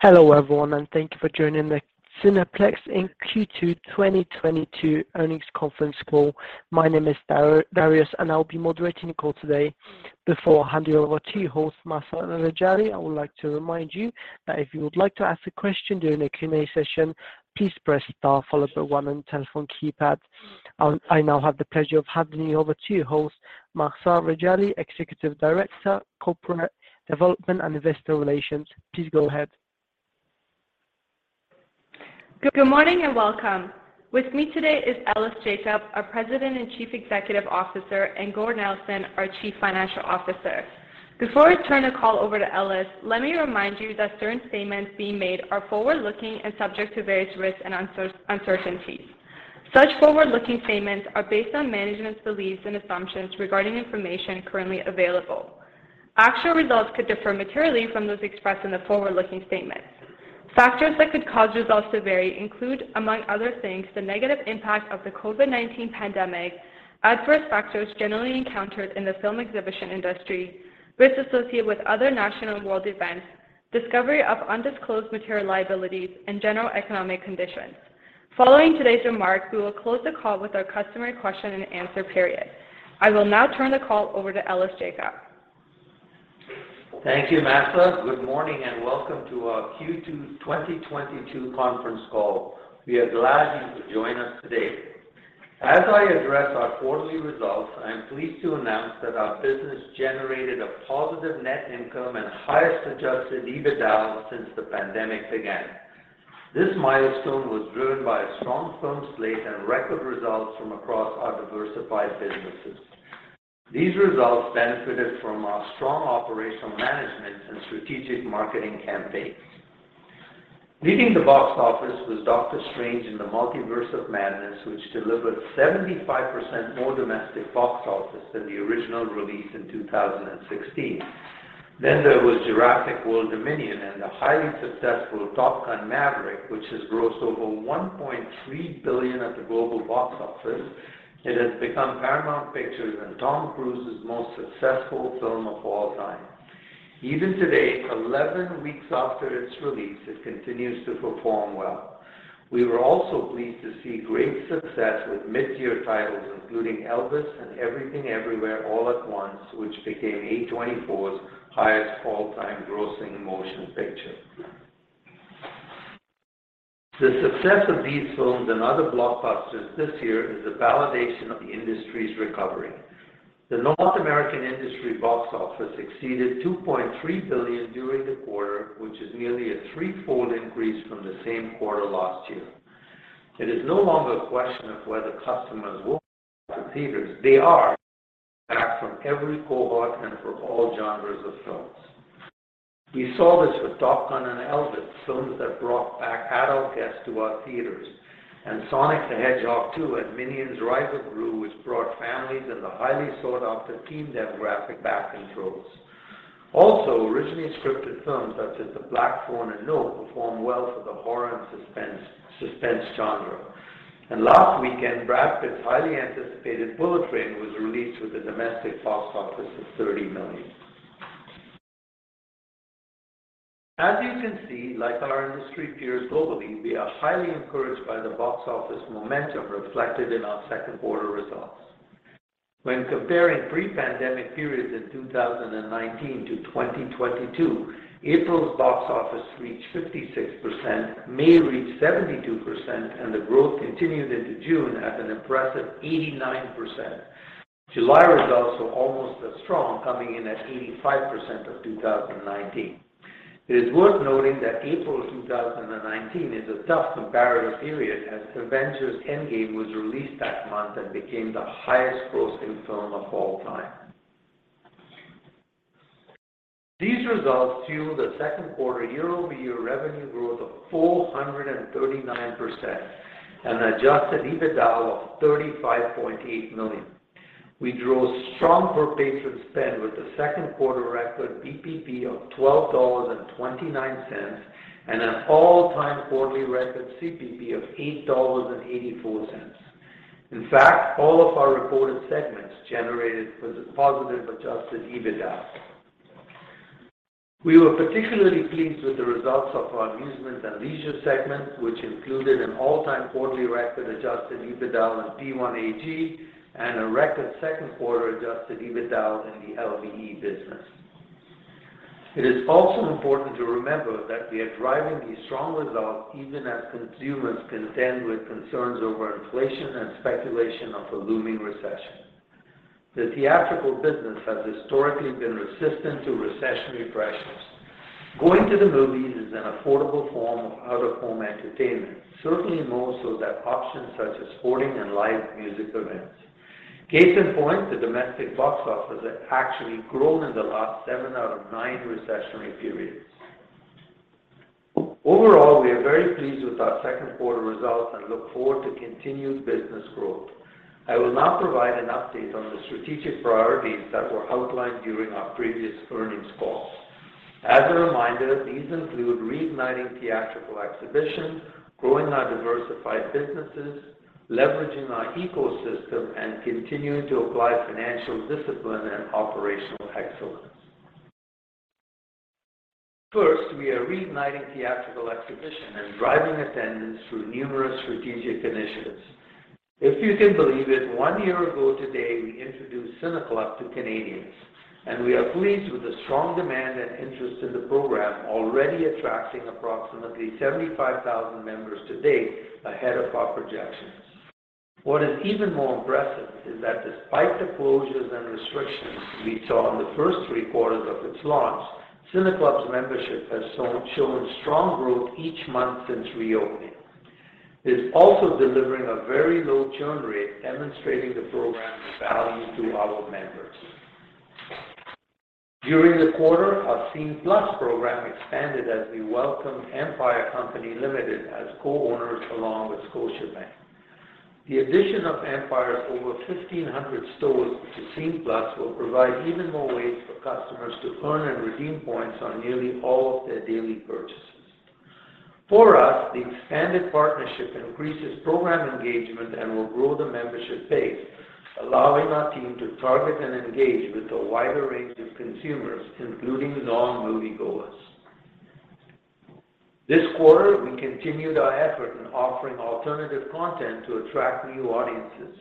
Hello everyone, and thank you for joining the Cineplex Inc. Q2 2022 earnings conference call. My name is Darius, and I'll be moderating the call today. Before handing over to your host, Mahsa Rejali, I would like to remind you that if you would like to ask a question during the Q&A session, please press star followed by one on telephone keypad. I now have the pleasure of handing over to your host, Mahsa Rejali, Executive Director, Corporate Development and Investor Relations. Please go ahead. Good morning and welcome. With me today is Ellis Jacob, our President and Chief Executive Officer, and Gord Nelson, our Chief Financial Officer. Before I turn the call over to Ellis, let me remind you that certain statements being made are forward-looking and subject to various risks and uncertainties. Such forward-looking statements are based on management's beliefs and assumptions regarding information currently available. Actual results could differ materially from those expressed in the forward-looking statements. Factors that could cause results to vary include, among other things, the negative impact of the COVID-19 pandemic, adverse factors generally encountered in the film exhibition industry, risks associated with other national and world events, discovery of undisclosed material liabilities, and general economic conditions. Following today's remarks, we will close the call with our customary question and answer period. I will now turn the call over to Ellis Jacob. Thank you, Mahsa. Good morning and welcome to our Q2 2022 conference call. We are glad you could join us today. As I address our quarterly results, I am pleased to announce that our business generated a positive net income and highest adjusted EBITDA since the pandemic began. This milestone was driven by a strong film slate and record results from across our diversified businesses. These results benefited from our strong operational management and strategic marketing campaigns. Leading the box office was Doctor Strange in the Multiverse of Madness, which delivered 75% more domestic box office than the original release in 2016. There was Jurassic World Dominion and the highly successful Top Gun: Maverick, which has grossed over $1.3 billion at the global box office. It has become Paramount Pictures and Tom Cruise's most successful film of all time. Even today, 11 weeks after its release, it continues to perform well. We were also pleased to see great success with mid-year titles including Elvis and Everything Everywhere All at Once, which became A24's highest all-time grossing motion picture. The success of these films and other blockbusters this year is a validation of the industry's recovery. The North American industry box office exceeded $2.3 billion during the quarter, which is nearly a threefold increase from the same quarter last year. It is no longer a question of whether customers will return to theaters. They are back from every cohort and for all genres of films. We saw this with Top Gun and Elvis, films that brought back adult guests to our theaters. Sonic the Hedgehog 2 and Minions: The Rise of Gru, which brought families and the highly sought-after teen demographic back in droves. Also, originally scripted films such as The Black Phone and Nope performed well for the horror and suspense genre. Last weekend, Brad Pitt's highly anticipated Bullet Train was released with a domestic box office of $30 million. As you can see, like our industry peers globally, we are highly encouraged by the box office momentum reflected in our second quarter results. When comparing pre-pandemic periods in 2019 to 2022, April's box office reached 56%, May reached 72%, and the growth continued into June at an impressive 89%. July results were almost as strong, coming in at 85% of 2019. It is worth noting that April of 2019 is a tough comparative period as Avengers: Endgame was released that month and became the highest grossing film of all time. These results fueled a second quarter year-over-year revenue growth of 439% and adjusted EBITDA of 35.8 million. We drove strong per-patron spend with a second quarter record BPP of 12.29 dollars and an all-time quarterly record CPP of 8.84 dollars. In fact, all of our reported segments generated positive adjusted EBITDA. We were particularly pleased with the results of our Amusement and Leisure segment, which included an all-time quarterly record adjusted EBITDA in P1AG and a record second quarter adjusted EBITDA in the LBE business. It is also important to remember that we are driving these strong results even as consumers contend with concerns over inflation and speculation of a looming recession. The theatrical business has historically been resistant to recessionary pressures. Going to the movies is an affordable form of out-of-home entertainment, certainly more so than options such as sporting and live music events. Case in point, the domestic box office has actually grown in the last seven out of nine recessionary periods. Overall, we are very pleased with our second quarter results and look forward to continued business growth. I will now provide an update on the strategic priorities that were outlined during our previous earnings call. As a reminder, these include reigniting theatrical exhibition, growing our diversified businesses, leveraging our ecosystem, and continuing to apply financial discipline and operational excellence. First, we are reigniting theatrical exhibition and driving attendance through numerous strategic initiatives. If you can believe it, one year ago today, we introduced CineClub to Canadians, and we are pleased with the strong demand and interest in the program already attracting approximately 75,000 members to date ahead of our projections. What is even more impressive is that despite the closures and restrictions we saw in the first three quarters of its launch, CineClub's membership has shown strong growth each month since reopening. It's also delivering a very low churn rate, demonstrating the program's value to our members. During the quarter, our Scene+ program expanded as we welcomed Empire Company Limited as co-owners along with Scotiabank. The addition of Empire's over 1,500 stores to Scene+ will provide even more ways for customers to earn and redeem points on nearly all of their daily purchases. For us, the expanded partnership increases program engagement and will grow the membership base, allowing our team to target and engage with a wider range of consumers, including non-moviegoers. This quarter, we continued our effort in offering alternative content to attract new audiences.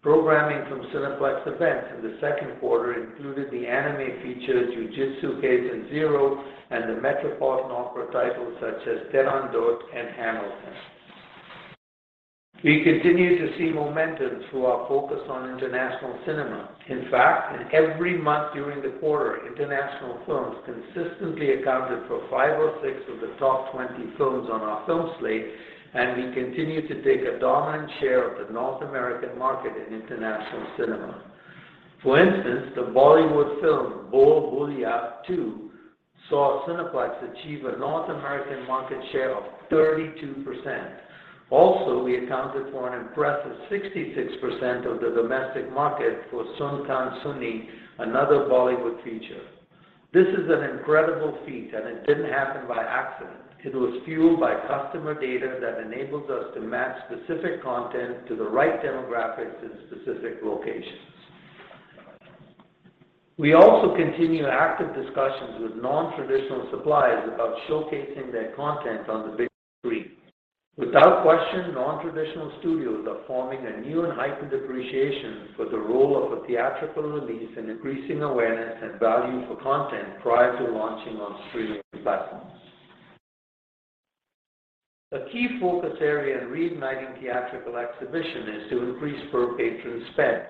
Programming from Cineplex Events in the second quarter included the anime feature Jujutsu Kaisen 0 and the Metropolitan Opera titles such as Turandot and Hamlet. We continue to see momentum through our focus on international cinema. In fact, in every month during the quarter, international films consistently accounted for five or six of the top 20 films on our film slate, and we continue to take a dominant share of the North American market in international cinema. For instance, the Bollywood film Golmaal Again two saw Cineplex achieve a North American market share of 32%. Also, we accounted for an impressive 66% of the domestic market for Bhool Bhulaiyaa, another Bollywood feature. This is an incredible feat, and it didn't happen by accident. It was fueled by customer data that enables us to match specific content to the right demographics in specific locations. We also continue active discussions with non-traditional suppliers about showcasing their content on the big screen. Without question, non-traditional studios are forming a new and heightened appreciation for the role of a theatrical release in increasing awareness and value for content prior to launching on streaming platforms. A key focus area in reigniting theatrical exhibition is to increase per patron spend.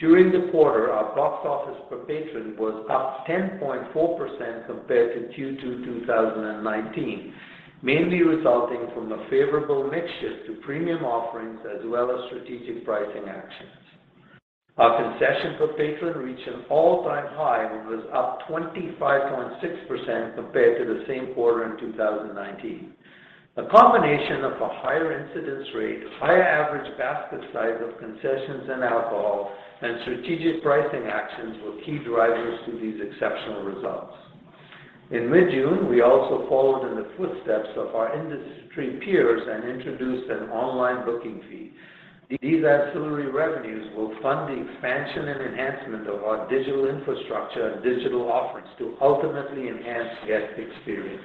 During the quarter, our box office per patron was up 10.4% compared to Q2 2019, mainly resulting from a favorable mixture to premium offerings as well as strategic pricing actions. Our concession per patron reached an all-time high and was up 25.6% compared to the same quarter in 2019. A combination of a higher incidence rate, higher average basket size of concessions and alcohol, and strategic pricing actions were key drivers to these exceptional results. In mid-June, we also followed in the footsteps of our industry peers and introduced an online booking fee. These ancillary revenues will fund the expansion and enhancement of our digital infrastructure and digital offerings to ultimately enhance guest experience.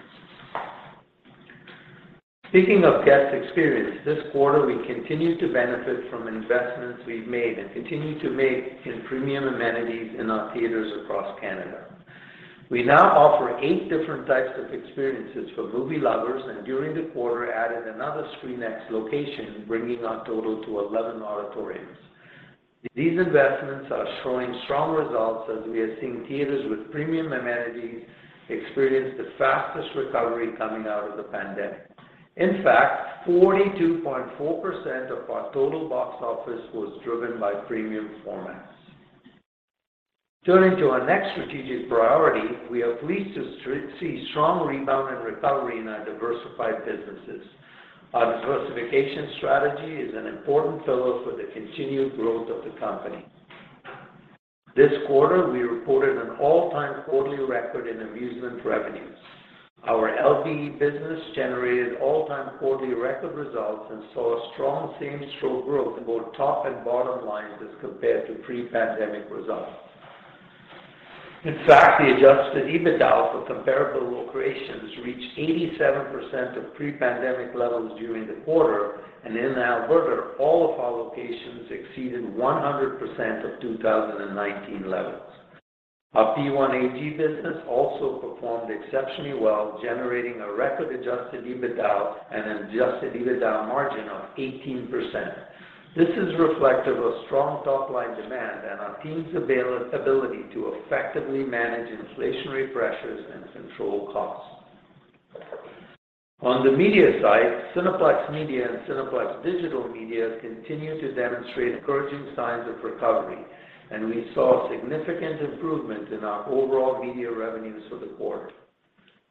Speaking of guest experience, this quarter we continued to benefit from investments we've made and continue to make in premium amenities in our theaters across Canada. We now offer eight different types of experiences for movie lovers and during the quarter added another ScreenX location, bringing our total to 11 auditoriums. These investments are showing strong results as we are seeing theaters with premium amenities experience the fastest recovery coming out of the pandemic. In fact, 42.4% of our total box office was driven by premium formats. Turning to our next strategic priority, we are pleased to see strong rebound and recovery in our diversified businesses. Our diversification strategy is an important pillar for the continued growth of the company. This quarter, we reported an all-time quarterly record in amusement revenues. Our LBE business generated all-time quarterly record results and saw a strong same-store growth in both top and bottom lines as compared to pre-pandemic results. In fact, the adjusted EBITDA for comparable locations reached 87% of pre-pandemic levels during the quarter, and in Alberta, all of our locations exceeded 100% of 2019 levels. Our P1AG business also performed exceptionally well, generating a record adjusted EBITDA and adjusted EBITDA margin of 18%. This is reflective of strong top-line demand and our team's availability to effectively manage inflationary pressures and control costs. On the media side, Cineplex Media and Cineplex Digital Media continue to demonstrate encouraging signs of recovery, and we saw significant improvement in our overall media revenues for the quarter.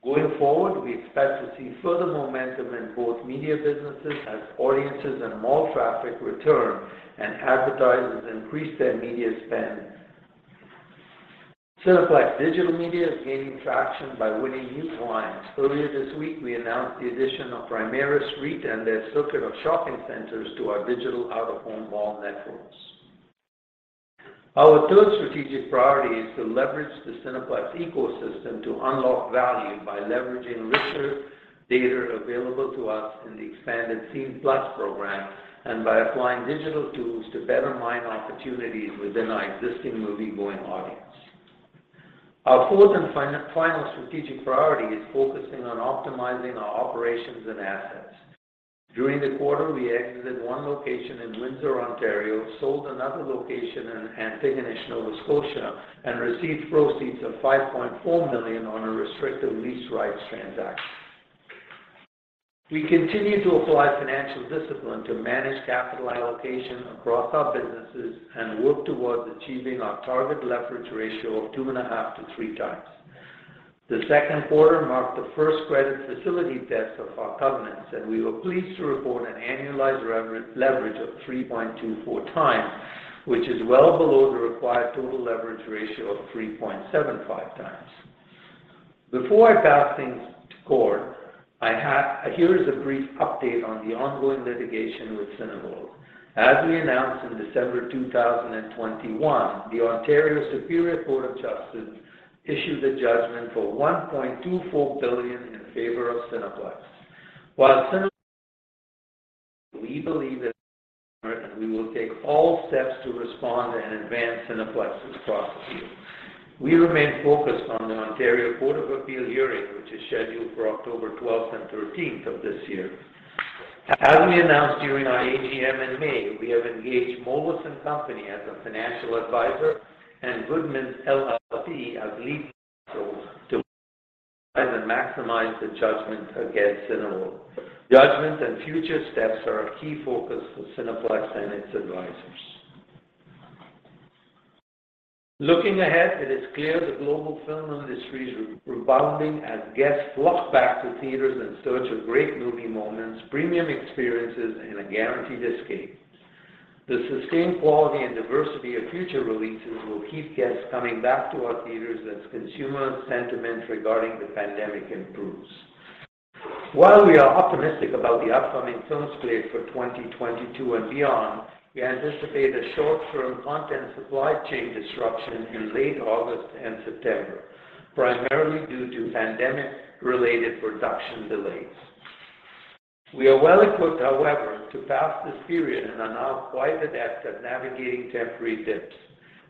Going forward, we expect to see further momentum in both media businesses as audiences and mall traffic return and advertisers increase their media spend. Cineplex Digital Media is gaining traction by winning new clients. Earlier this week, we announced the addition of Primaris REIT and their circuit of shopping centers to our digital out-of-home mall networks. Our third strategic priority is to leverage the Cineplex ecosystem to unlock value by leveraging richer data available to us in the expanded Scene+ program and by applying digital tools to better mine opportunities within our existing moviegoing audience. Our fourth and final strategic priority is focusing on optimizing our operations and assets. During the quarter, we exited one location in Windsor, Ontario, sold another location in Antigonish, Nova Scotia, and received proceeds of 5.4 million on a restricted lease rights transaction. We continue to apply financial discipline to manage capital allocation across our businesses and work towards achieving our target leverage ratio of 2.5-3x. The second quarter marked the first credit facility test of our covenants, and we were pleased to report an annualized leverage of 3.24x, which is well below the required total leverage ratio of 3.75x. Before I pass things to Gord, here is a brief update on the ongoing litigation with Cineworld. As we announced in December 2021, the Ontario Superior Court of Justice issued a judgment for 1.24 billion in favor of Cineplex. While we believe that and we will take all steps to respond and advance Cineplex's processes. We remain focused on the Court of Appeal for Ontario hearing, which is scheduled for October 12th and 13th of this year. As we announced during our AGM in May, we have engaged Moelis & Company as a financial advisor and Goodmans LLP as lead counsel to enforce and maximize the judgment against Cineworld. Enforcing the judgment and future steps are a key focus for Cineplex and its advisors. Looking ahead, it is clear the global film industry is rebounding as guests flock back to theaters in search of great movie moments, premium experiences, and a guaranteed escape. The sustained quality and diversity of future releases will keep guests coming back to our theaters as consumer sentiment regarding the pandemic improves. While we are optimistic about the upcoming film slate for 2022 and beyond, we anticipate a short-term content supply chain disruption in late August and September, primarily due to pandemic-related production delays. We are well-equipped, however, to pass this period and are now quite adept at navigating temporary dips.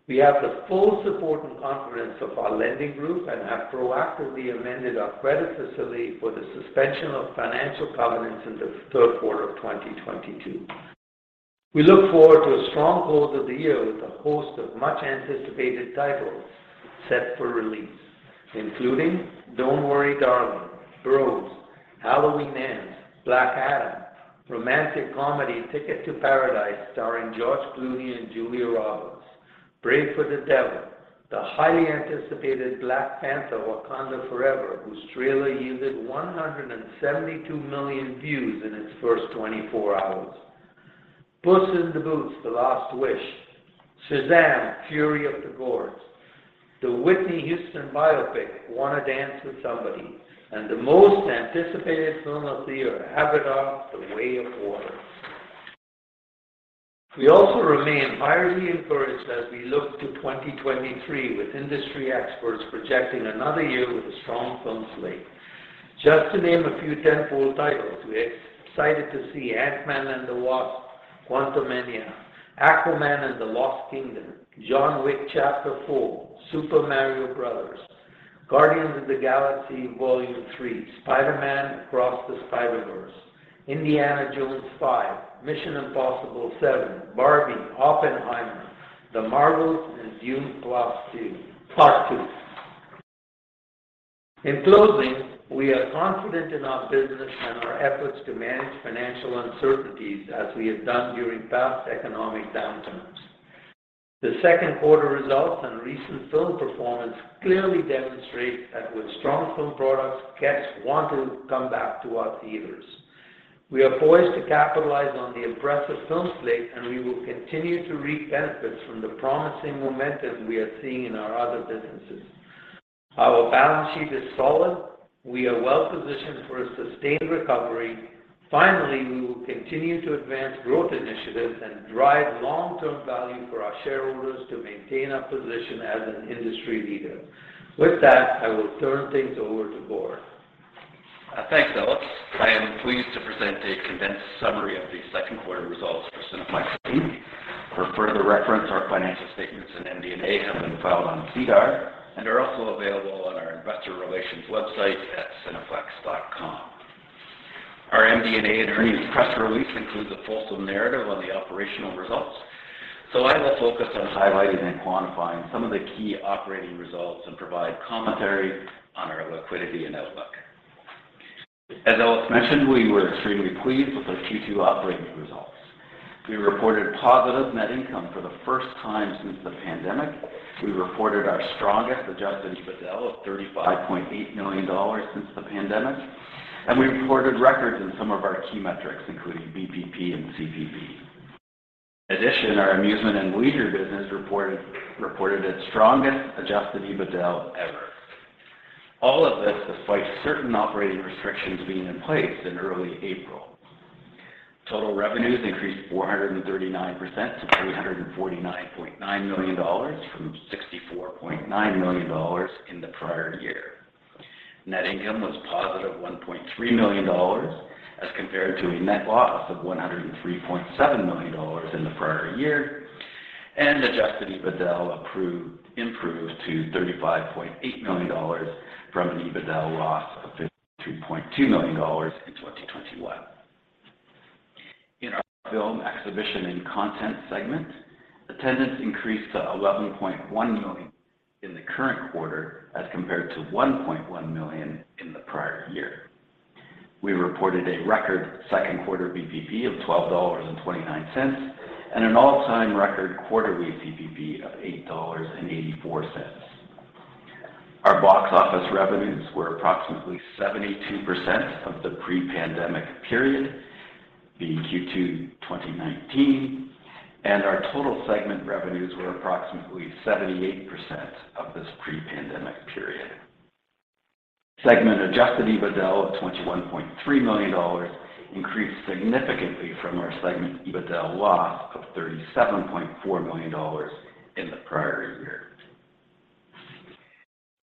We have the full support and confidence of our lending group and have proactively amended our credit facility for the suspension of financial covenants in the third quarter of 2022. We look forward to a strong close of the year with a host of much-anticipated titles set for release, including Don't Worry Darling, Bros, Halloween Ends, Black Adam, romantic comedy Ticket to Paradise starring George Clooney and Julia Roberts, Prey for the Devil, the highly anticipated Black Panther: Wakanda Forever, whose trailer yielded 172 million views in its first 24 hours, Puss in Boots: The Last Wish, Shazam! Fury of the Gods, the Whitney Houston biopic, I Wanna Dance with Somebody, and the most anticipated film of the year, Avatar: The Way of Water. We also remain highly encouraged as we look to 2023, with industry experts projecting another year with a strong film slate. Just to name a few tentpole titles, we're excited to see Ant-Man and the Wasp: Quantumania, Aquaman and the Lost Kingdom, John Wick: Chapter 4, The Super Mario Bros. Movie, Guardians of the Galaxy Vol. 3, Spider-Man: Across the Spider-Verse, Indiana Jones and the Dial of Destiny, Mission: Impossible – Dead Reckoning Part One, Barbie, Oppenheimer, The Marvels, and Dune: Part Two. In closing, we are confident in our business and our efforts to manage financial uncertainties as we have done during past economic downturns. The second quarter results and recent film performance clearly demonstrate that with strong film products, guests want to come back to our theaters. We are poised to capitalize on the impressive film slate, and we will continue to reap benefits from the promising momentum we are seeing in our other businesses. Our balance sheet is solid. We are well positioned for a sustained recovery. Finally, we will continue to advance growth initiatives and drive long-term value for our shareholders to maintain our position as an industry leader. With that, I will turn things over to Gord. Thanks, Ellis. I am pleased to present a condensed summary of the second quarter results for Cineplex Inc. For further reference, our financial statements and MD&A have been filed on SEDAR and are also available on our investor relations website at cineplex.com. Our MD&A and earnings press release includes a full narrative on the operational results. I will focus on highlighting and quantifying some of the key operating results and provide commentary on our liquidity and outlook. As Ellis mentioned, we were extremely pleased with the Q2 operating results. We reported positive net income for the first time since the pandemic. We reported our strongest adjusted EBITDA of 35.8 million dollars since the pandemic. We reported records in some of our key metrics, including BPP and CPP. In addition, our amusement and leisure business reported its strongest adjusted EBITDA ever. All of this despite certain operating restrictions being in place in early April. Total revenues increased 439% to 349.9 million dollars from 64.9 million dollars in the prior year. Net income was positive 1.3 million dollars as compared to a net loss of 103.7 million dollars in the prior year. Adjusted EBITDA improved to 35.8 million dollars from an EBITDA loss of 52.2 million dollars in 2021. In our Film Exhibition and Content segment, attendance increased to 11.1 million in the current quarter as compared to 1.1 million in the prior year. We reported a record second quarter BPP of 12.29 dollars, and an all-time record quarterly CPP of 8.84 dollars. Our box office revenues were approximately 72% of the pre-pandemic period, Q2 2019, and our total segment revenues were approximately 78% of this pre-pandemic period. Segment adjusted EBITDA of 21.3 million dollars increased significantly from our segment EBITDA loss of 37.4 million dollars in the prior year.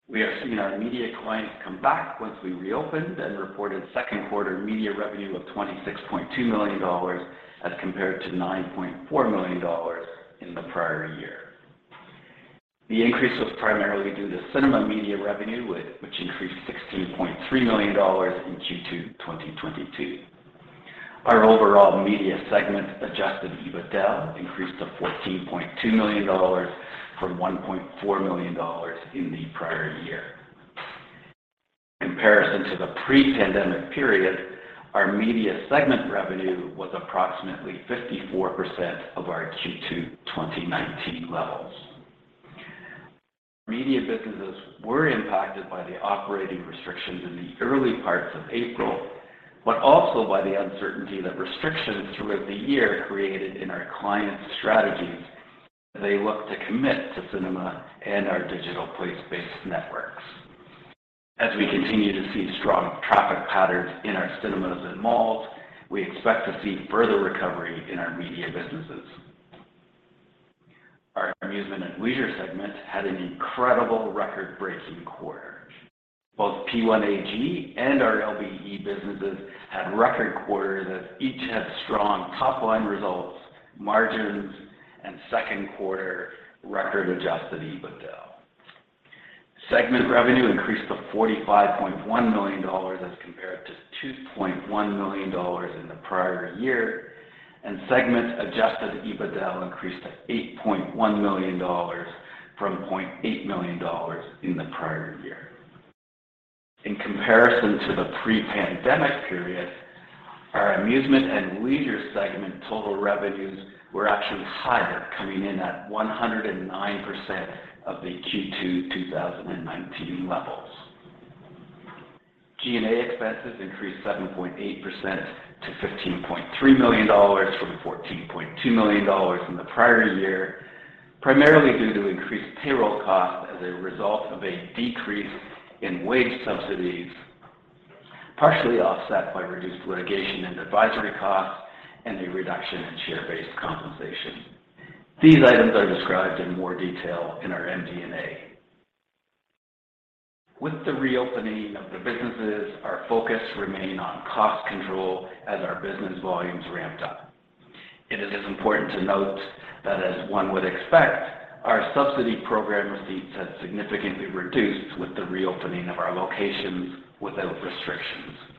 We have seen our media clients come back once we reopened and reported second quarter media revenue of 26.2 million dollars as compared to 9.4 million dollars in the prior year. The increase was primarily due to cinema media revenue which increased 16.3 million dollars in Q2 2022. Our overall media segment adjusted EBITDA increased to 14.2 million dollars from 1.4 million dollars in the prior year. In comparison to the pre-pandemic period, our media segment revenue was approximately 54% of our Q2 2019 levels. Media businesses were impacted by the operating restrictions in the early parts of April, but also by the uncertainty that restrictions throughout the year created in our clients' strategies as they look to commit to cinema and our digital place-based networks. As we continue to see strong traffic patterns in our cinemas and malls, we expect to see further recovery in our media businesses. Our Amusement and Leisure segment had an incredible record-breaking quarter. Both P1AG and our LBE businesses had record quarters as each had strong top-line results, margins, and second quarter record adjusted EBITDA. Segment revenue increased to 45.1 million dollars as compared to 2.1 million dollars in the prior year, and segment adjusted EBITDA increased to 8.1 million dollars from 0.8 million dollars in the prior year. In comparison to the pre-pandemic period, our Amusement and Leisure segment total revenues were actually higher coming in at 109% of the Q2 2019 levels. G&A expenses increased 7.8% to 15.3 million dollars from 14.2 million dollars in the prior year, primarily due to increased payroll costs as a result of a decrease in wage subsidies, partially offset by reduced litigation and advisory costs and a reduction in share-based compensation. These items are described in more detail in our MD&A. With the reopening of the businesses, our focus remained on cost control as our business volumes ramped up. It is important to note that as one would expect, our subsidy program receipts had significantly reduced with the reopening of our locations without restrictions.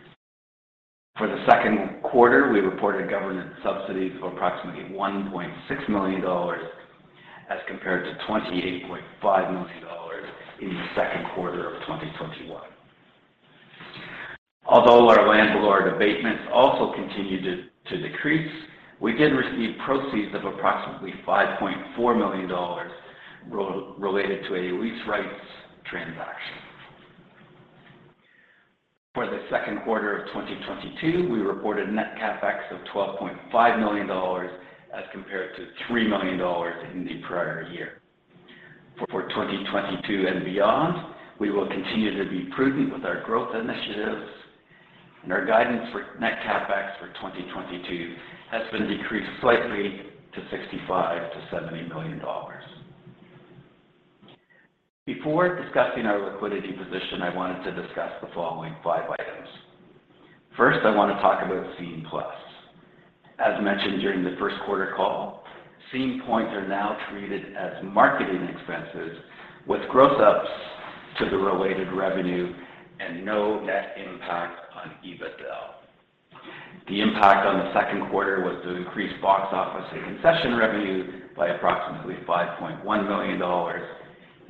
For the second quarter, we reported government subsidies of approximately 1.6 million dollars as compared to 28.5 million dollars in the second quarter of 2021. Although our landlord abatements also continued to decrease, we did receive proceeds of approximately 5.4 million dollars related to a lease rights transaction. For the second quarter of 2022, we reported net CapEx of 12.5 million dollars as compared to 3 million dollars in the prior year. For 2022 and beyond, we will continue to be prudent with our growth initiatives, and our guidance for net CapEx for 2022 has been decreased slightly to 65 million-70 million dollars. Before discussing our liquidity position, I wanted to discuss the following five items. First, I want to talk about Scene+. As mentioned during the first quarter call, Scene+ points are now treated as marketing expenses with gross ups to the related revenue and no net impact on EBITDA. The impact on the second quarter was to increase box office and concession revenue by approximately 5.1 million dollars,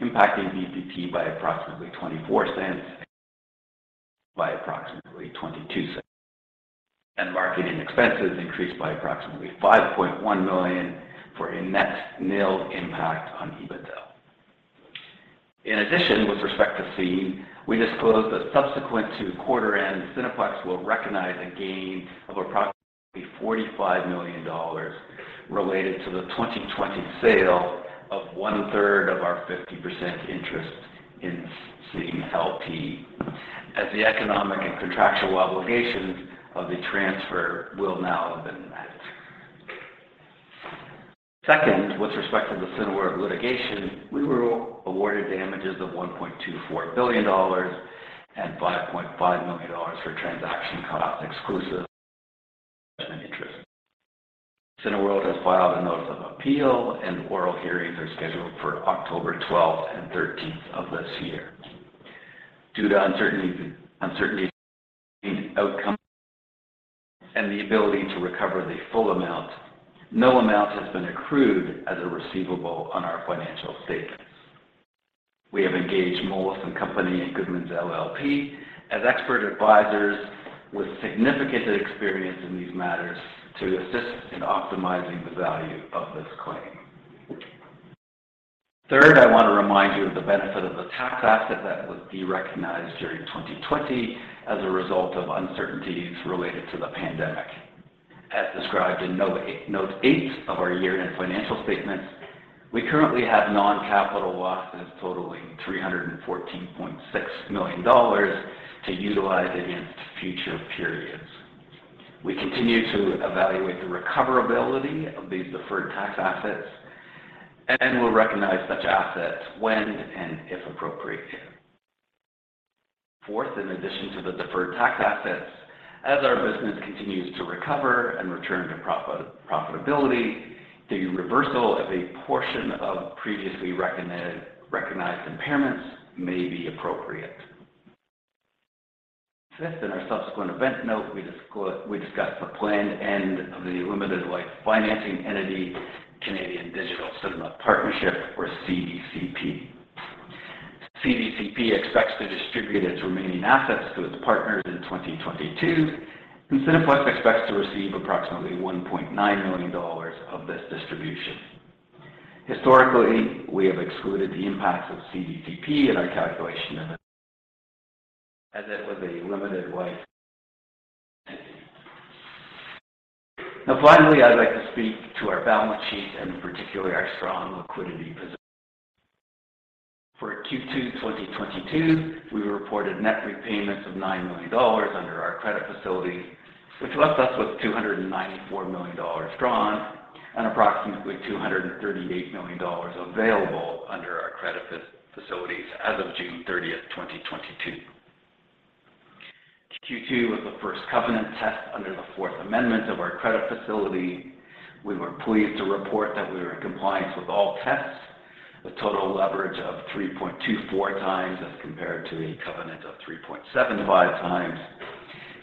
impacting BPP by approximately 0.24, by approximately 0.22. Marketing expenses increased by approximately 5.1 million for a net nil impact on EBITDA. In addition, with respect to Scene+, we disclosed that subsequent to quarter end, Cineplex will recognize a gain of approximately 45 million dollars related to the 2020 sale of one-third of our 50% interest in Scene LP. As the economic and contractual obligations of the transfer will now have been met. Second, with respect to the Cineworld litigation, we were awarded damages of 1.24 billion dollars and 5.5 million dollars for transaction costs exclusive of interest. Cineworld has filed a notice of appeal, and oral hearings are scheduled for October twelfth and thirteenth of this year. Due to uncertainty surrounding outcome and the ability to recover the full amount, no amount has been accrued as a receivable on our financial statements. We have engaged Moelis & Company and Goodmans LLP as expert advisors with significant experience in these matters to assist in optimizing the value of this claim. Third, I want to remind you of the benefit of the tax asset that would be recognized during 2020 as a result of uncertainties related to the pandemic. As described in note eight of our year-end financial statements, we currently have non-capital losses totaling 314.6 million dollars to utilize against future periods. We continue to evaluate the recoverability of these deferred tax assets and will recognize such assets when and if appropriate. Fourth, in addition to the deferred tax assets, as our business continues to recover and return to profitability, the reversal of a portion of previously recognized impairments may be appropriate. Fifth, in our subsequent event note, we discussed the planned end of the limited life financing entity Canadian Digital Cinema Partnership or CDCP. CDCP expects to distribute its remaining assets to its partners in 2022, and Cineplex expects to receive approximately 1.9 million dollars of this distribution. Historically, we have excluded the impacts of CDCP in our calculation of EBITDA as it was a limited life entity. Now finally, I'd like to speak to our balance sheet and particularly our strong liquidity position. For Q2 2022, we reported net repayments of 9 million dollars under our credit facility, which left us with 294 million dollars drawn and approximately 238 million dollars available under our credit facilities as of June 30, 2022. Q2 was the first covenant test under the fourth amendment of our credit facility. We were pleased to report that we were in compliance with all tests. A total leverage of 3.24x as compared to a covenant of 3.75x.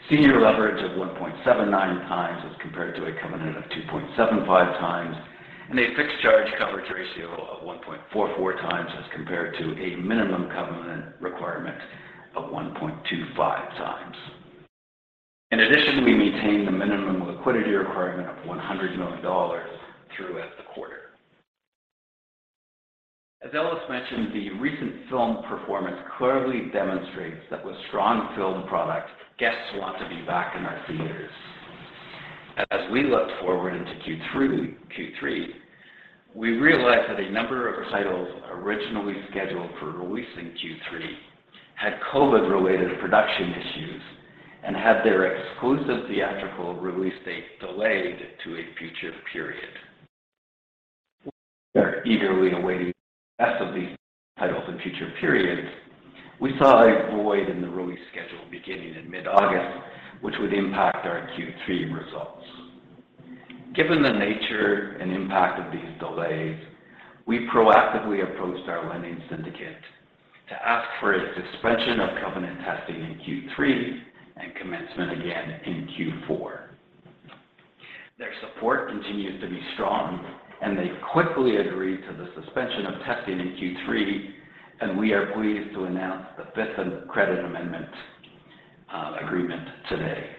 Senior leverage of 1.79x as compared to a covenant of 2.75x. A fixed charge coverage ratio of 1.44x as compared to a minimum covenant requirement of 1.25x. In addition, we maintained the minimum liquidity requirement of 100 million dollars throughout the quarter. As Ellis mentioned, the recent film performance clearly demonstrates that with strong film products, guests want to be back in our theaters. As we look forward into Q3, we realize that a number of titles originally scheduled for release in Q3 had COVID-19-related production issues and had their exclusive theatrical release date delayed to a future period. While we are eagerly awaiting the success of these titles in future periods, we saw a void in the release schedule beginning in mid-August, which would impact our Q3 results. Given the nature and impact of these delays, we proactively approached our lending syndicate to ask for a suspension of covenant testing in Q3 and commencement again in Q4. Their support continues to be strong, and they quickly agreed to the suspension of testing in Q3, and we are pleased to announce the fifth credit amendment agreement today.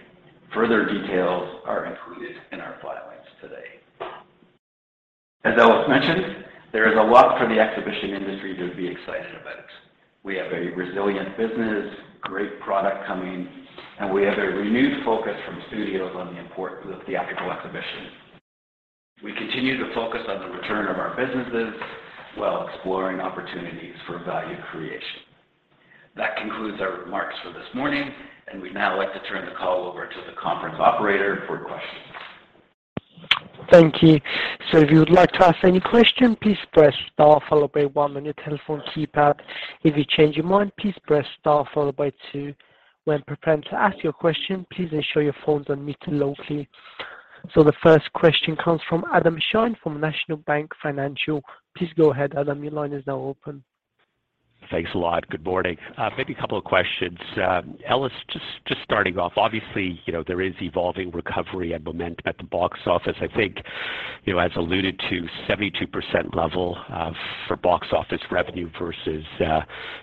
Further details are included in our filings today. As Ellis mentioned, there is a lot for the exhibition industry to be excited about. We have a resilient business, great product coming, and we have a renewed focus from studios on the theatrical exhibition. We continue to focus on the return of our businesses while exploring opportunities for value creation. That concludes our remarks for this morning, and we'd now like to turn the call over to the conference operator for questions. Thank you. If you would like to ask any question, please press star followed by one on your telephone keypad. If you change your mind, please press star followed by two. When preparing to ask your question, please ensure your phone's unmuted locally. The first question comes from Adam Shine from National Bank Financial. Please go ahead, Adam. Your line is now open. Thanks a lot. Good morning. Maybe a couple of questions. Ellis, just starting off, obviously, you know, there is evolving recovery and momentum at the box office. I think, as alluded to 72% level for box office revenue versus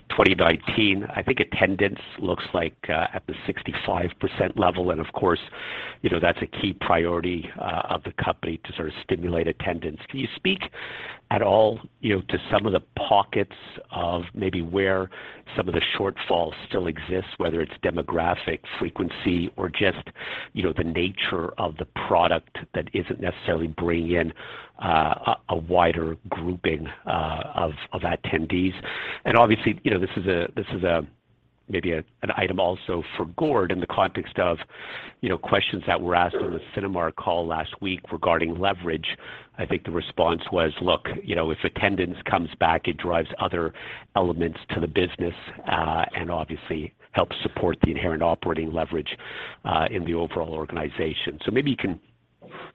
2019. I think attendance looks like at the 65% level. Of course, you know, that's a key priority of the company to sort of stimulate attendance. Can you speak at all, you know, to some of the pockets of maybe where some of the shortfalls still exist, whether it's demographic frequency or just, you know, the nature of the product that isn't necessarily bringing in a wider grouping of attendees. Obviously, you know, this is maybe an item also for Gord in the context of, you know, questions that were asked on the Cinemark call last week regarding leverage. I think the response was, look, you know, if attendance comes back, it drives other elements to the business, and obviously helps support the inherent operating leverage in the overall organization. Maybe you can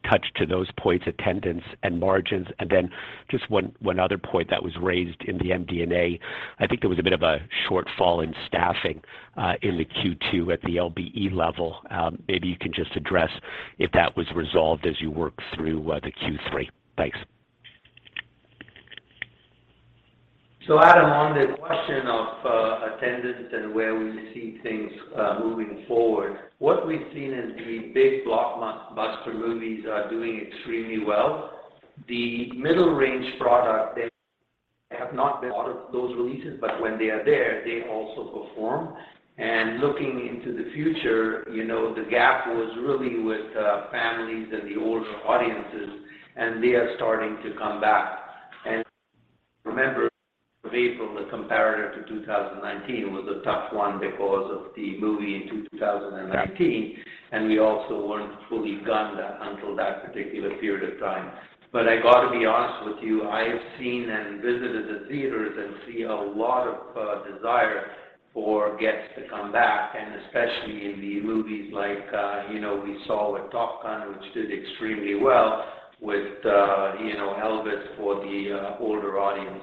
touch on those points, attendance and margins. Then just one other point that was raised in the MD&A. I think there was a bit of a shortfall in staffing in the Q2 at the LBE level. Maybe you can just address if that was resolved as you work through the Q3. Thanks. Adam, on the question of attendance and where we see things moving forward, what we've seen is the big blockbuster movies are doing extremely well. The middle range product, they have not been out of those releases, but when they are there, they also perform. Looking into the future, you know, the gap was really with families and the older audiences, and they are starting to come back. Remember April, the comparator to 2019 was a tough one because of the movie in 2019, and we also weren't fully gunned until that particular period of time. I got to be honest with you, I have seen and visited the theaters and see a lot of desire for guests to come back, and especially in the movies like, you know, we saw with Top Gun, which did extremely well with, you know, Elvis for the older audience.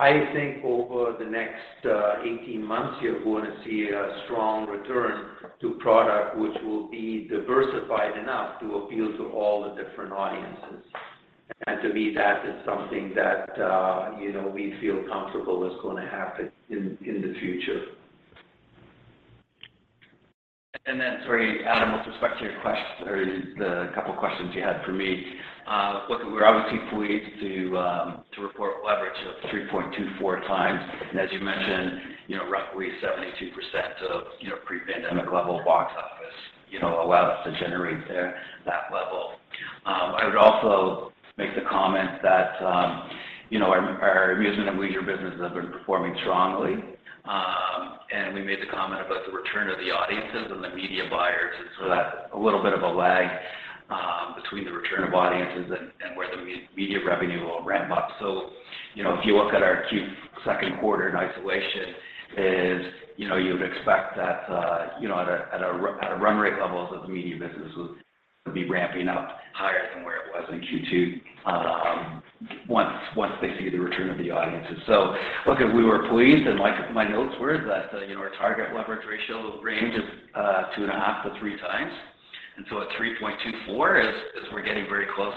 I think over the next 18 months, you're going to see a strong return to product, which will be diversified enough to appeal to all the different audiences. To me, that is something that, you know, we feel comfortable is going to happen in the future. Sorry, Adam, with respect to your question or the couple of questions you had for me, look, we're obviously pleased to report leverage of 3.24x. As you mentioned, you know, roughly 72% of, you know, pre-pandemic level box office, you know, allow us to generate there that level. I would also make the comment that, you know, our amusement and leisure businesses have been performing strongly. We made the comment about the return of the audiences and the media buyers. There's a little bit of a lag between the return of audiences and where the media revenue will ramp up. You know, if you look at our second quarter in isolation, you know, you would expect that, you know, at a run rate levels of the media business would be ramping up higher than where it was in Q2, once they see the return of the audiences. Look, we were pleased, and my notes were that, you know, our target leverage ratio range is 2.5-3x. At 3.24x, we're getting very close,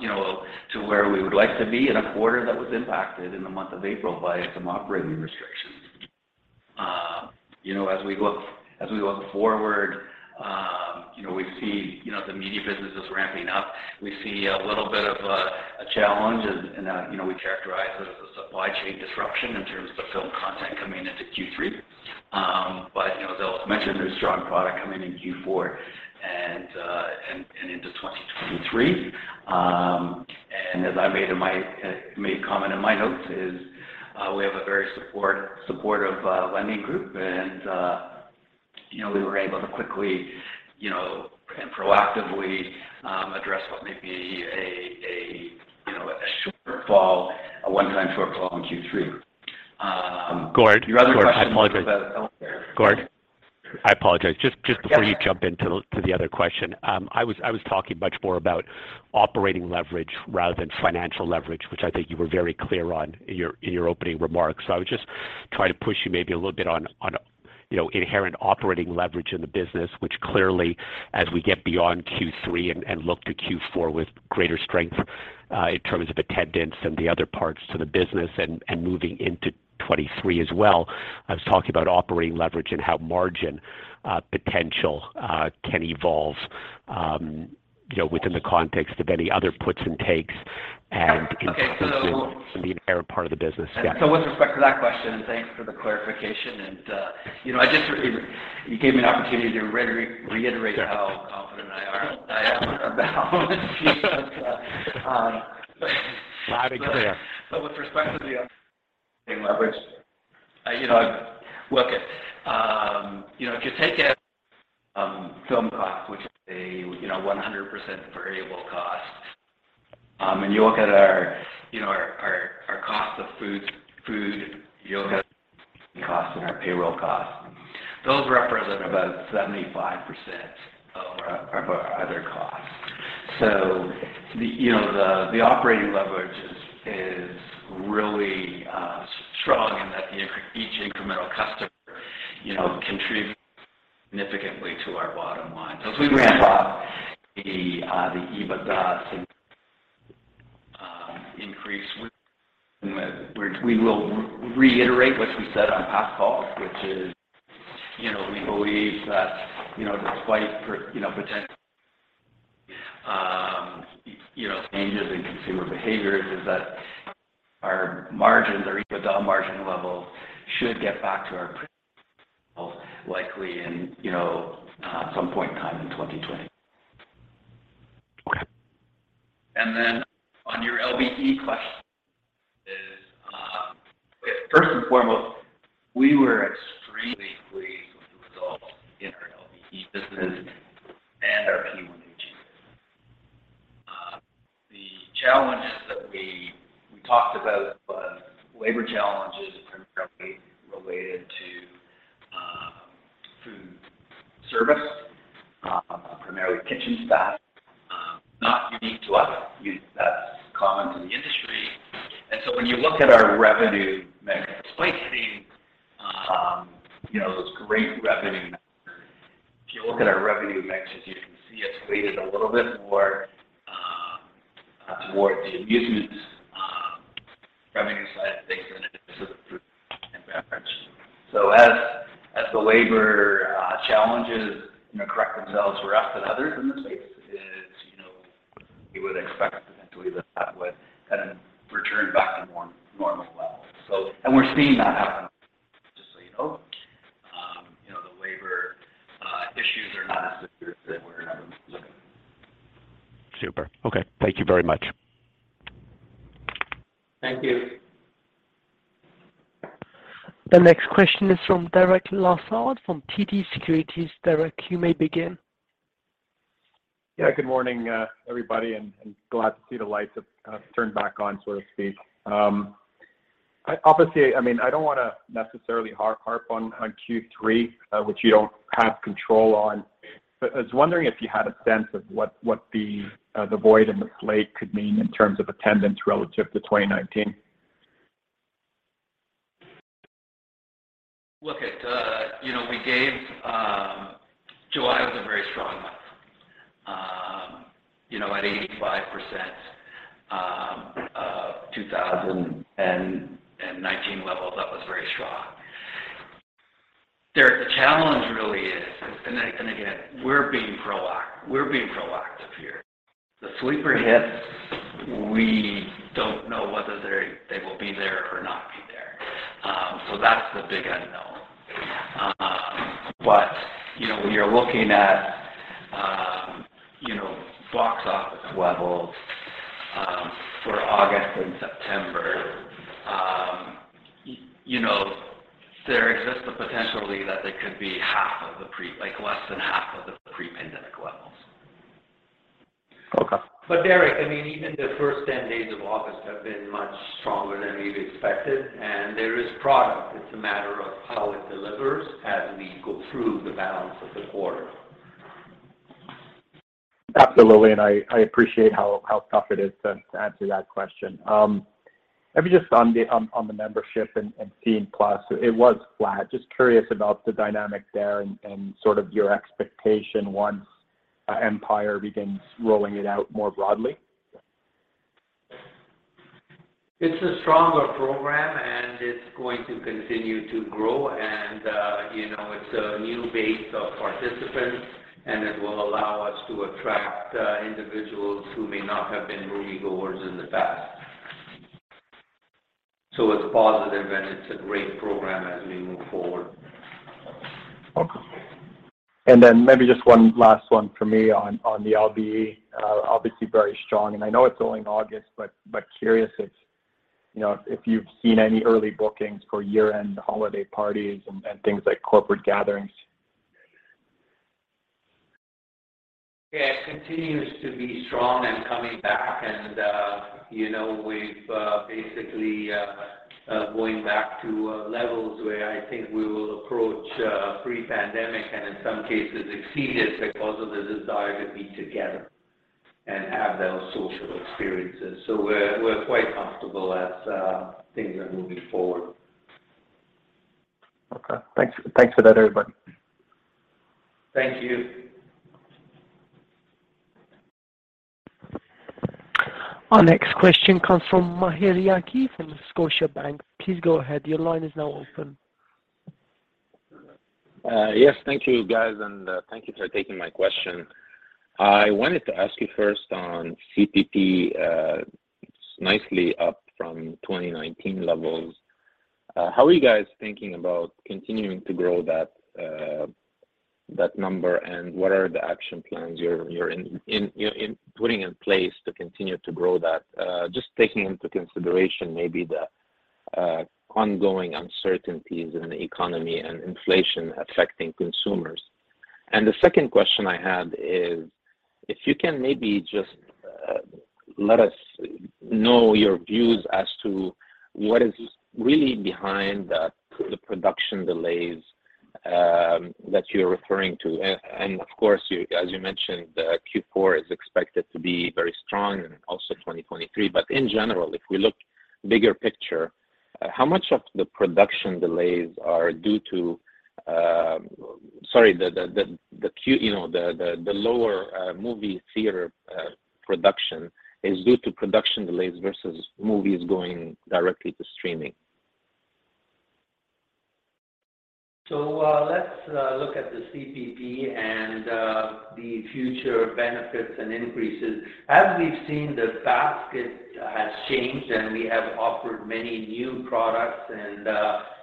you know, to where we would like to be in a quarter that was impacted in the month of April by some operating restrictions. You know, as we look forward, you know, we see, you know, the media businesses ramping up. We see a little bit of a challenge, you know, we characterize it as a supply chain disruption in terms of film content coming into Q3. You know, as I mentioned, there's strong product coming in Q4 and into 2023. As I made comment in my notes is, we have a very supportive lending group. You know, we were able to quickly, you know, and proactively address what may be, you know, a one-time shortfall in Q3. Gord, I apologize. Your other question. Gord, I apologize. Just before you jump into the other question, I was talking much more about operating leverage rather than financial leverage, which I think you were very clear on in your opening remarks. I would just try to push you maybe a little bit on, you know, inherent operating leverage in the business, which clearly, as we get beyond Q3 and look to Q4 with greater strength in terms of attendance and the other parts to the business and moving into 2023 as well. I was talking about operating leverage and how margin potential can evolve, you know, within the context of any other puts and takes and- Okay. in the entire part of the business. Yeah. With respect to that question, and thanks for the clarification. You know, you gave me an opportunity to reiterate how confident I am about Loud and clear. With respect to the operating leverage, you know, look, if you take out film cost, which is a 100% variable cost, and you look at our cost of food and our payroll costs, those represent about 75% of our other costs. The operating leverage is really strong in that each incremental customer contributes significantly to our bottom line. As we ramp up the EBITDA increase, we will reiterate what we said on past calls, which is, you know, we believe that, you know, despite potential you know, changes in consumer behaviors, that our margins or EBITDA margin levels should get back to our pre-COVID levels likely in, you know, some point in time in 2020. Okay. Then on your LBE question is, first and foremost, we were extremely pleased with the results in our LBE business and our P1AG business. The challenge is that we talked about labor challenges primarily related to food service, primarily kitchen staff, not unique to us. That's common to the industry. When you look at our revenue mix despite hitting, you know, those great revenue numbers, if you look at our revenue mix, as you can see, it's weighted a little bit more towards the amusements revenue side of things than it is to the food and beverage. As the labor challenges, you know, correct themselves for us and others in the space, you would expect potentially that that would kind of return back to normal levels. We're seeing that happen, just so you know. You know, the labor issues are not as severe as they were in our view. Super. Okay. Thank you very much. Thank you. The next question is from Derek Lessard from TD Securities. Derek, you may begin. Yeah, good morning, everybody, and glad to see the lights have turned back on, so to speak. Obviously, I mean, I don't wanna necessarily harp on Q3, which you don't have control on, but I was wondering if you had a sense of what the void in the slate could mean in terms of attendance relative to 2019. Look it, you know, we gave, July was a very strong month. You know, at 85%, 2019 levels, that was very strong. Derek, the challenge really is, and again, we're being proactive here. The sleeper hits, we don't know whether they will be there or not be there. So that's the big unknown. But, you know, when you're looking at, you know, box office levels, for August and September, you know, there exists the potential that they could be half of the pre-pandemic levels, like less than half of the pre-pandemic levels. Okay. Derek, I mean, even the first 10 days of August have been much stronger than we've expected, and there is product. It's a matter of how it delivers as we go through the balance of the quarter. Absolutely, I appreciate how tough it is to answer that question. Maybe just on the membership and Scene+, it was flat. Just curious about the dynamic there and sort of your expectation once Empire begins rolling it out more broadly. It's a stronger program, and it's going to continue to grow. You know, it's a new base of participants, and it will allow us to attract individuals who may not have been moviegoers in the past. It's positive, and it's a great program as we move forward. Okay. Maybe just one last one from me on the LBE. Obviously very strong, and I know it's only August, but curious if, you know, if you've seen any early bookings for year-end holiday parties and things like corporate gatherings. Yeah, it continues to be strong and coming back, and, you know, we've basically going back to levels where I think we will approach pre-pandemic and in some cases exceed it because of the desire to be together and have those social experiences. We're quite comfortable as things are moving forward. Okay. Thanks for that, everybody. Thank you. Our next question comes from Maher Yaghi from Scotiabank. Please go ahead. Your line is now open. Yes. Thank you, guys, and thank you for taking my question. I wanted to ask you first on CPP, nicely up from 2019 levels. How are you guys thinking about continuing to grow that number, and what are the action plans you're in, you know, putting in place to continue to grow that, just taking into consideration maybe the ongoing uncertainties in the economy and inflation affecting consumers? The second question I had is if you can maybe just let us know your views as to what is really behind the production delays that you're referring to. Of course, as you mentioned, Q4 is expected to be very strong and also 2023. In general, if we look bigger picture, how much of the production delays are due to? Sorry, the lower movie theater production is due to production delays versus movies going directly to streaming? Let's look at the CPP and the future benefits and increases. As we've seen, the basket has changed, and we have offered many new products and,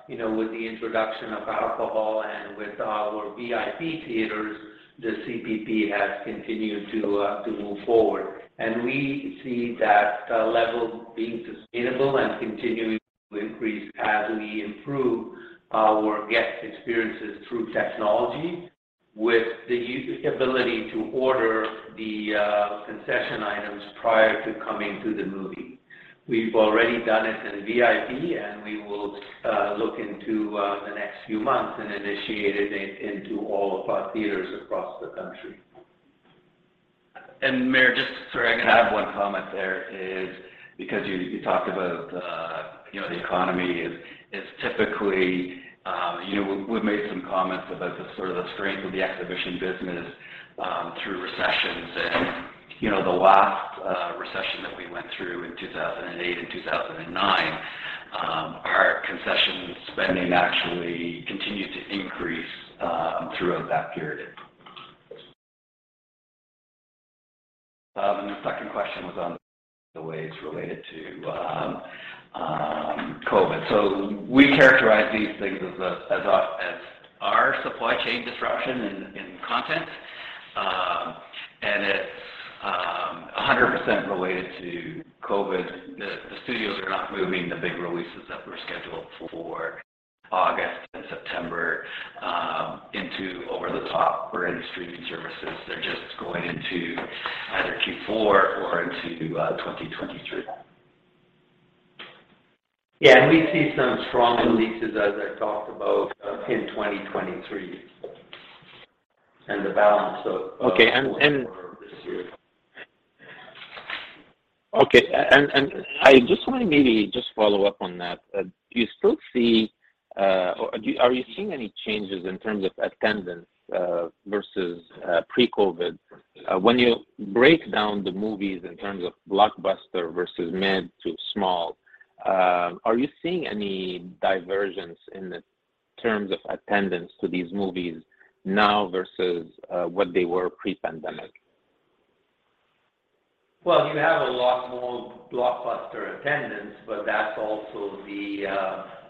you know, with the introduction of alcohol and with our VIP theaters, the CPP has continued to move forward. We see that level being sustainable and continuing to increase as we improve our guest experiences through technology with the usability to order the concession items prior to coming to the movie. We've already done it in VIP, and we will look into the next few months and initiate it into all of our theaters across the country. Maher Yaghi, sorry, I'm gonna have one comment there is because you talked about, you know, the economy is typically, you know, we've made some comments about the sort of the strength of the exhibition business through recessions. You know, the last recession that we went through in 2008 and 2009, our concession spending actually continued to increase throughout that period. The second question was on the way it's related to COVID. We characterize these things as our supply chain disruption in content. It's 100% related to COVID. The studios are not moving the big releases that were scheduled for August and September into over-the-top or any streaming services. They're just going into either Q4 or into 2023. Yeah. We see some strong releases as I talked about in 2023 and the balance of- Okay. of this year. Okay. I just wanna maybe just follow up on that. Do you still see or are you seeing any changes in terms of attendance versus pre-COVID? When you break down the movies in terms of blockbuster versus mid- to small, are you seeing any divergences in terms of attendance to these movies now versus what they were pre-pandemic? Well, you have a lot more blockbuster attendance, but that's also the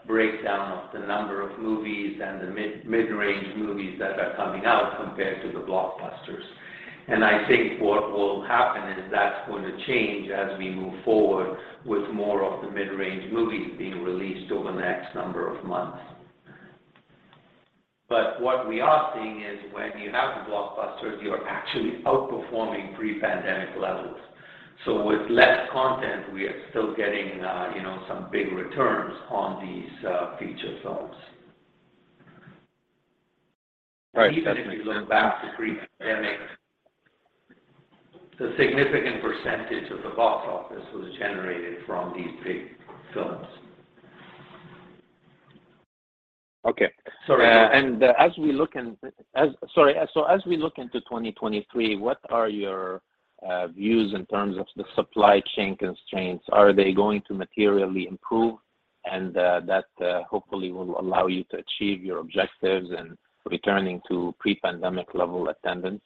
breakdown of the number of movies and the mid-range movies that are coming out compared to the blockbusters. I think what will happen is that's going to change as we move forward with more of the mid-range movies being released over the next number of months. What we are seeing is when you have the blockbusters, you're actually outperforming pre-pandemic levels. With less content, we are still getting, you know, some big returns on these feature films. Right. Even if you look back to pre-pandemic, the significant percentage of the box office was generated from these big films. Okay. Sorry. As we look into 2023, what are your views in terms of the supply chain constraints? Are they going to materially improve and that hopefully will allow you to achieve your objectives and returning to pre-pandemic level attendance?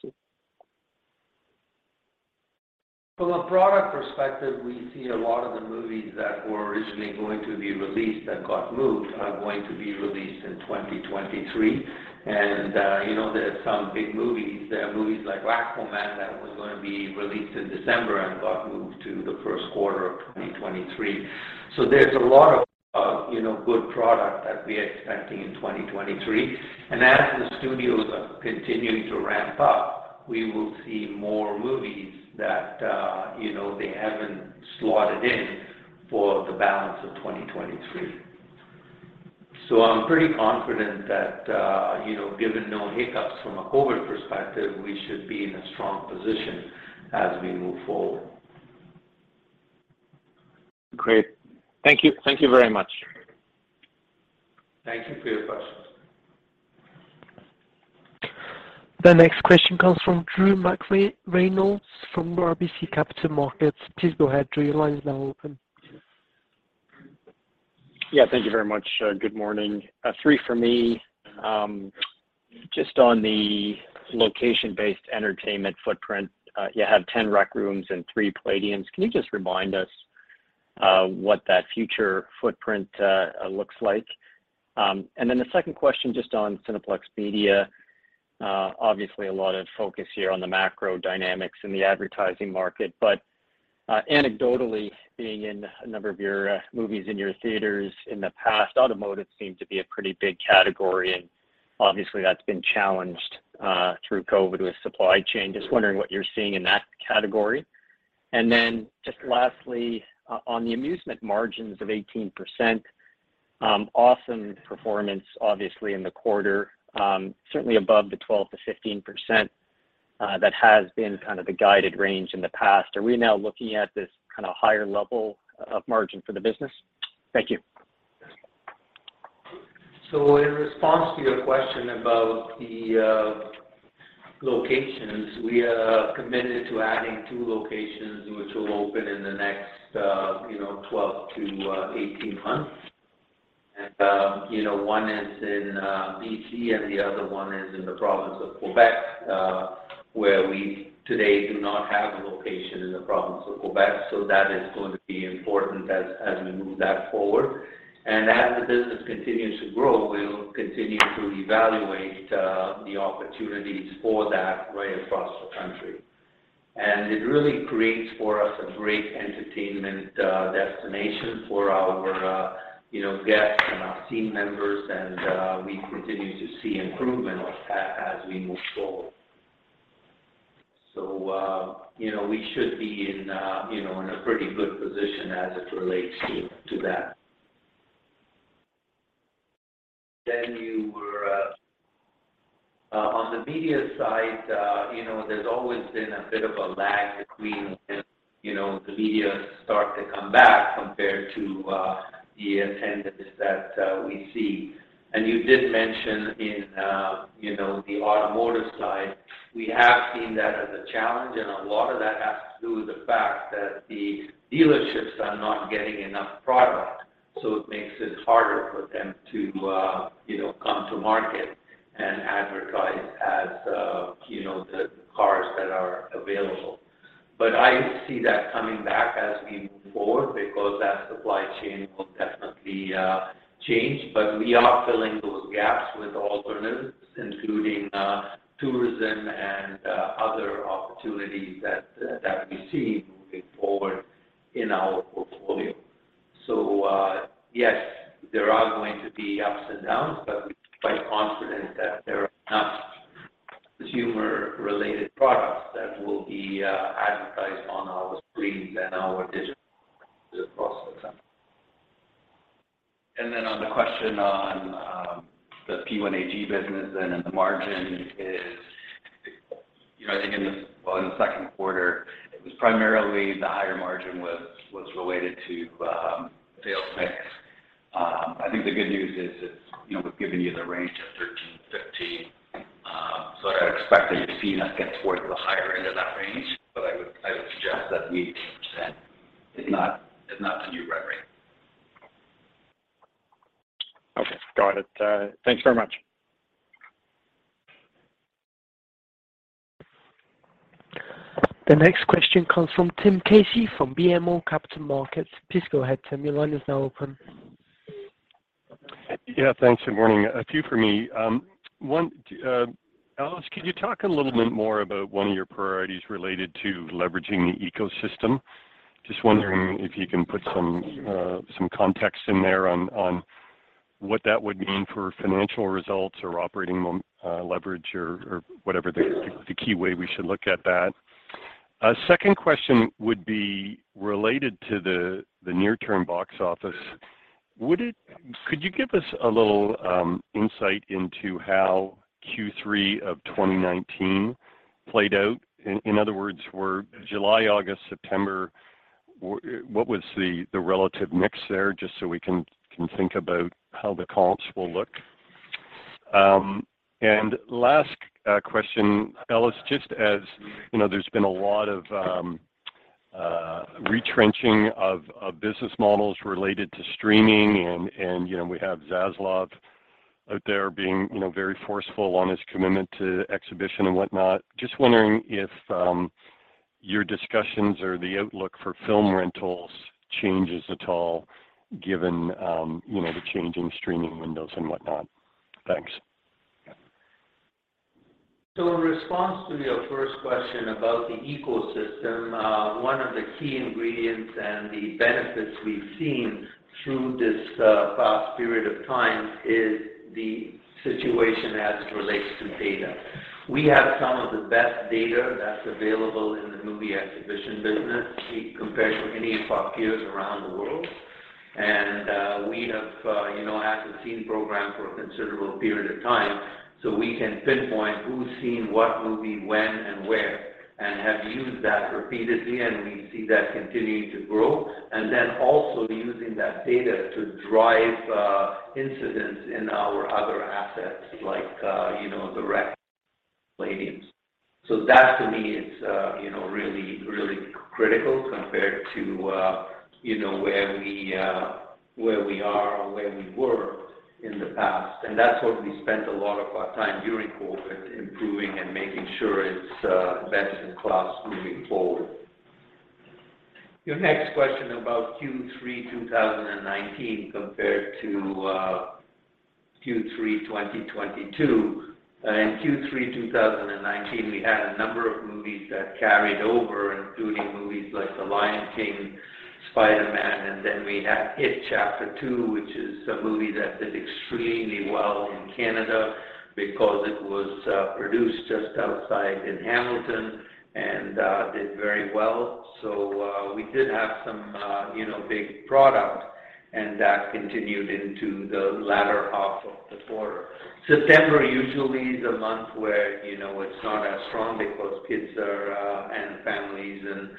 From a product perspective, we see a lot of the movies that were originally going to be released that got moved are going to be released in 2023. You know, there are some big movies. There are movies like Aquaman that was gonna be released in December and got moved to the first quarter of 2023. There's a lot of, you know, good product that we're expecting in 2023. As the studios are continuing to ramp up, we will see more movies that, you know, they haven't slotted in for the balance of 2023. I'm pretty confident that, you know, given no hiccups from a COVID perspective, we should be in a strong position as we move forward. Great. Thank you. Thank you very much. Thank you for your questions. The next question comes from Drew McReynolds from RBC Capital Markets. Please go ahead, Drew. Your line is now open. Yeah, thank you very much. Good morning. Three for me. Just on the location-based entertainment footprint, you have 10 Rec Rooms and 3 Playdiums. Can you just remind us, what that future footprint looks like? And then the second question, just on Cineplex Media. Obviously a lot of focus here on the macro dynamics in the advertising market. Anecdotally, being in a number of your movies in your theaters in the past, automotive seemed to be a pretty big category, and obviously that's been challenged through COVID with supply chain. Just wondering what you're seeing in that category. Just lastly, on the amusement margins of 18%, awesome performance obviously in the quarter, certainly above the 12%-15%, that has been kind of the guided range in the past. Are we now looking at this kind of higher level of margin for the business? Thank you. In response to your question about the locations. We are committed to adding two locations, which will open in the next, you know, 12-18 months. You know, one is in BC and the other one is in the province of Quebec, where we today do not have a location in the province of Quebec. That is going to be important as we move that forward. As the business continues to grow, we'll continue to evaluate the opportunities for that right across the country. It really creates for us a great entertainment destination for our, you know, guests and our team members. We continue to see improvement on that as we move forward. You know, we should be in a pretty good position as it relates to that. On the media side, you know, there's always been a bit of a lag between when the media start to come back compared to the attendance that we see. You did mention on the automotive side, we have seen that as a challenge. A lot of that has to do with the fact that the dealerships are not getting enough product, so it makes it harder for them to you know come to market and advertise, as you know, the cars that are available. I see that coming back as we move forward because that supply chain will definitely change. We are filling those gaps with alternatives, including tourism and other opportunities that we see moving forward in our portfolio. Yes, there are going to be ups and downs, but we're quite confident that there are enough consumer-related products that will be advertised on our screens and our digital across the country. Then on the question on the P1AG business and then the margin is, you know, I think in the second quarter it was primarily the higher margin was related to sales mix. I think the good news is that, you know, we've given you the range of 13%-15%. I'd expect that you've seen us get towards the higher end of that range. I would suggest that 18% is not the new run rate. Okay. Got it. Thanks very much. The next question comes from Tim Casey from BMO Capital Markets. Please go ahead, Tim. Your line is now open. Yeah. Thanks. Good morning. A few for me. One, Ellis, could you talk a little bit more about one of your priorities related to leveraging the ecosystem? Just wondering if you can put some context in there on what that would mean for financial results or operating leverage or whatever the key way we should look at that. A second question would be related to the near-term box office. Could you give us a little insight into how Q3 of 2019 played out? In other words, what was the relative mix there for July, August, September, just so we can think about how the comps will look. Last question, Ellis. Just as, you know, there's been a lot of retrenching of business models related to streaming and, you know, we have Zaslav out there being, you know, very forceful on his commitment to exhibition and whatnot. Just wondering if your discussions or the outlook for film rentals changes at all given, you know, the change in streaming windows. Thanks. In response to your first question about the ecosystem, one of the key ingredients and the benefits we've seen through this past period of time is the situation as it relates to data. We have some of the best data that's available in the movie exhibition business compared to any of our peers around the world. We have, you know, had the same program for a considerable period of time, so we can pinpoint who's seen what movie when and where, and have used that repeatedly, and we see that continuing to grow. Then also using that data to drive incentives in our other assets like, you know, The Rec Room. That to me is, you know, really, really critical compared to, you know, where we are or where we were in the past. That's what we spent a lot of our time during COVID improving and making sure it's best in class moving forward. Your next question about Q3 2019 compared to Q3 2022. In Q3 2019, we had a number of movies that carried over, including movies like The Lion King, Spider-Man, and then we had It Chapter Two, which is a movie that did extremely well in Canada because it was produced just outside in Hamilton and did very well. We did have some, you know, big product and that continued into the latter half of the quarter. September usually is a month where, you know, it's not as strong because kids are and families and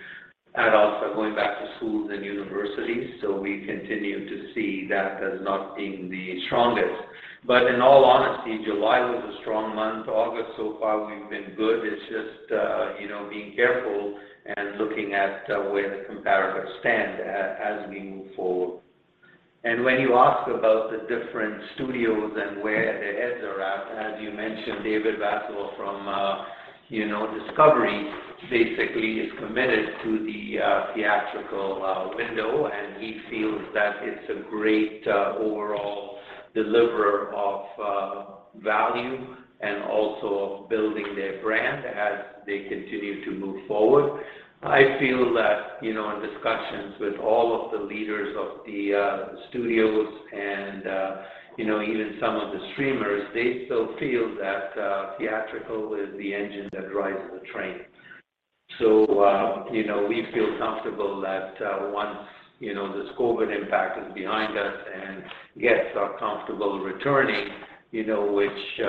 adults are going back to schools and universities. We continue to see that as not being the strongest. In all honesty, July was a strong month. August so far we've been good. It's just, you know, being careful and looking at where the comparables stand as we move forward. When you ask about the different studios and where their heads are at, as you mentioned, David Zaslav from, you know, Warner Bros. Discovery basically is committed to the theatrical window, and he feels that it's a great overall deliverer of value and also of building their brand as they continue to move forward. I feel that, you know, in discussions with all of the leaders of the studios and, you know, even some of the streamers, they still feel that theatrical is the engine that drives the train. You know, we feel comfortable that once you know this COVID impact is behind us and guests are comfortable returning, you know, which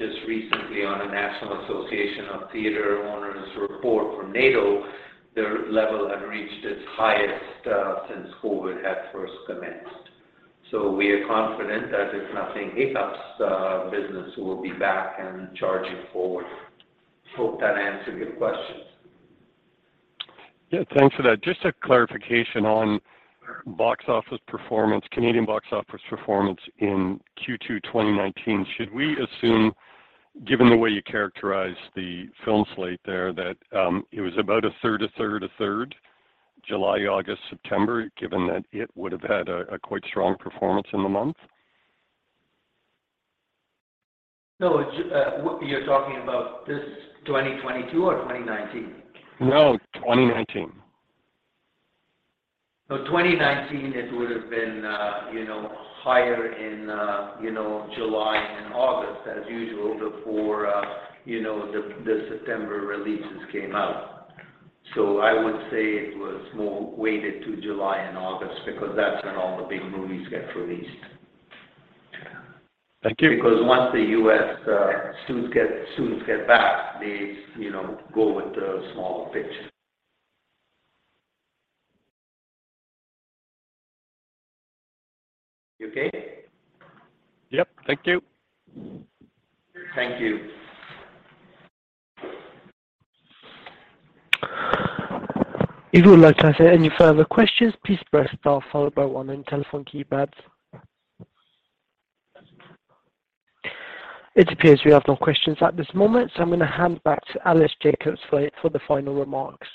just recently on a National Association of Theatre Owners report from NATO, their level had reached its highest since COVID had first commenced. We are confident that if nothing hiccups business will be back and charging forward. Hope that answered your questions. Yeah, thanks for that. Just a clarification on box office performance, Canadian box office performance in Q2 2019. Should we assume, given the way you characterize the film slate there, that it was about a third July, August, September, given that it would have had a quite strong performance in the month? Nope. You're talking about this 2022 or 2019? Nope, 2019. 2019, it would have been, you know, higher in July and August as usual before, you know, the September releases came out. I would say it was more weighted to July and August because that's when all the big movies get released. Thank you. Because once the U.S. students get back, they, you know, go with the smaller pictures. You okay? Yep. Thank you. Thank you. If you would like to ask any further questions, please press star followed by one on telephone keypads. It appears we have no questions at this moment, so I'm gonna hand back to Ellis Jacob for the final remarks.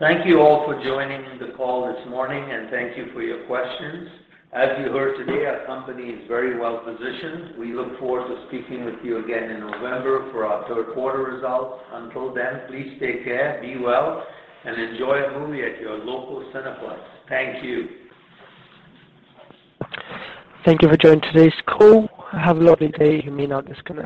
Thank you all for joining the call this morning, and thank you for your questions. As you heard today, our company is very well-positioned. We look forward to speaking with you again in November for our third quarter results. Until then, please take care, be well, and enjoy a movie at your local Cineplex. Thank you. Thank you for joining today's call. Have a lovely day. You may now disconnect.